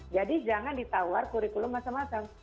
jadi jangan ditawar kurikulum masing masing